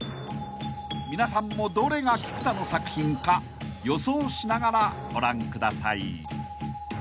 ［皆さんもどれが菊田の作品か予想しながらご覧ください］